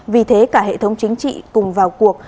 vì thế cả hệ thống chính trị cùng vào cuộc